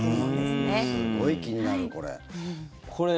すごい気になる、これ。